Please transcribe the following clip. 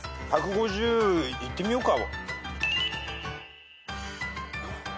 １５０いってみようか。